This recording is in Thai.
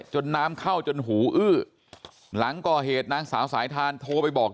จนน้ำเข้าจนหูอื้อหลังก่อเหตุนางสาวสายทานโทรไปบอก